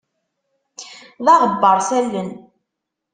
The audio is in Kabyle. D aɣebbaṛ s allen.